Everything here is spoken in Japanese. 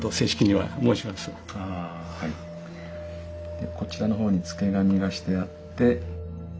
でこちらの方に付け紙がしてあって。